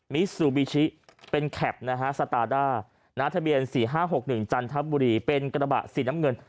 มิซูบิชิเป็นแคปนะฮะสตาด้าทะเบียน๔๕๖๑จันทบุรีเป็นกระบะสีน้ำเงิน